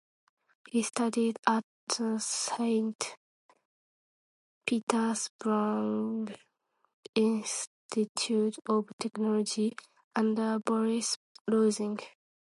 He studied at the Saint Petersburg Institute of Technology, under Boris Rosing.